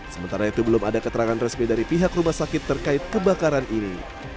sementara itu belum ada keterangan resmi dari pihak rumah sakit terkait kebakaran ini